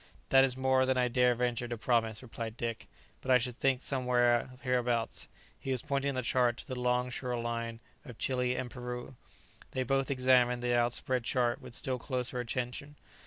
"That is more than I dare venture to promise," replied Dick; "but I should think somewhere hereabouts." He was pointing on the chart to the long shore line of Chili and Peru. They both examined the outspread chart with still closer attention.